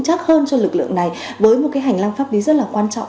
chắc hơn cho lực lượng này với một cái hành lang pháp lý rất là quan trọng